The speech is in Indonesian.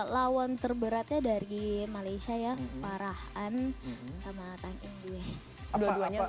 lawan terberatnya dari malaysia ya farah ann sama tang indue